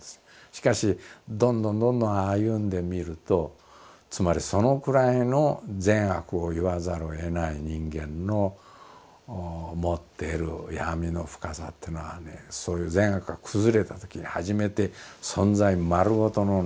しかしどんどんどんどん歩んでみるとつまりそのくらいの善悪を言わざるをえない人間の持っている闇の深さっていうのはねそういう善悪が崩れたときに初めて存在丸ごとのね